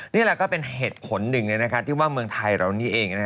นี่แหละก็เป็นเหตุผลหนึ่งที่ว่าเมืองไทยเรานี่เอง